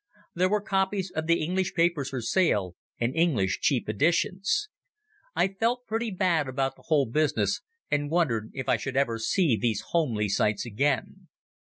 There were copies of the English papers for sale, and English cheap editions. I felt pretty bad about the whole business, and wondered if I should ever see these homely sights again.